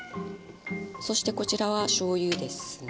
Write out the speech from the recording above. そしてこちらはしょうゆですね。